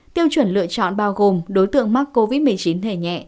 tiêu chuẩn lựa chọn bao gồm đối tượng mắc covid một mươi chín thẻ nhẹ